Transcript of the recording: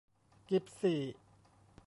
กิ๊บซี่